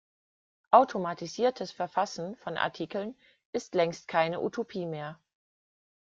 Automatisiertes Verfassen von Artikeln ist längst keine Utopie mehr.